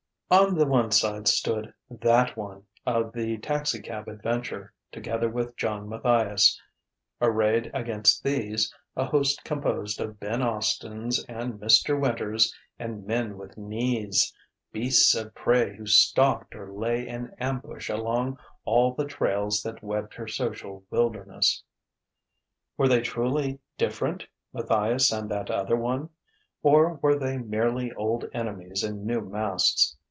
On the one side stood That One of the taxicab adventure, together with John Matthias: arrayed against these, a host composed of Ben Austins and Mr. Winters and men with knees beasts of prey who stalked or lay in ambush along all the trails that webbed her social wilderness. Were they truly different, Matthias and that other one? Or were they merely old enemies in new masks?